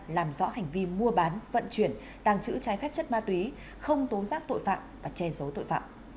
làm rõ hành vi mua bán vận chuyển tàng trữ trái phép chất ma túy không tố giác tội phạm và che giấu tội phạm